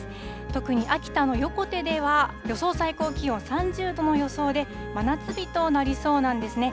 特に秋田の横手では、予想最高気温３０度の予想で、真夏日となりそうなんですね。